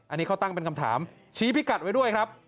อันนี้เขาตั้งเป็นคำถามชี้พิกัดไว้ด้วยครับ